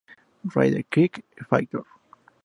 Rider Kick", "Fight!